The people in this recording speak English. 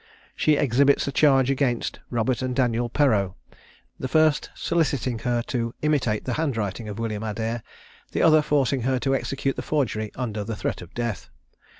She exhibits a charge against Robert and Daniel Perreau, the first soliciting her to imitate the hand writing of William Adair, the other forcing her to execute the forgery under the threat of death.